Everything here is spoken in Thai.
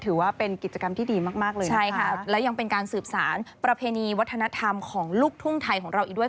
ถือว่าเป็นกิจกรรมที่ดีมากเลยใช่ค่ะและยังเป็นการสืบสารประเพณีวัฒนธรรมของลูกทุ่งไทยของเราอีกด้วย